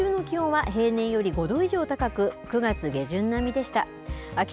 日中の気温は平年より５度以上高く９月下旬並みでした。